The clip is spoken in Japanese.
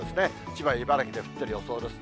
千葉、茨城で降っている予想です。